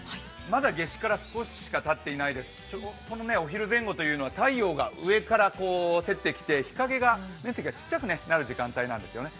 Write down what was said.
まだ夏至から少ししか、たってないですしお昼前後というのは太陽が上から照ってきて日陰の面積が小さくなる時間帯なんですよね。